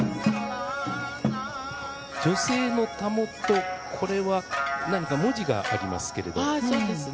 女性のたもとこれは何か文字がありますが。